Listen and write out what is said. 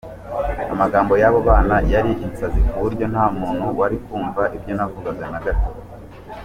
Amagambo yabo bana yari insanzi kuburyo ntanumuntu wari kumva ibyo nabugaga nagato